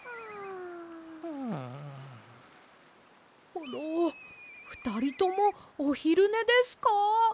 コロふたりともおひるねですか？